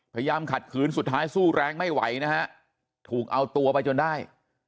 ขัดขืนสุดท้ายสู้แรงไม่ไหวนะฮะถูกเอาตัวไปจนได้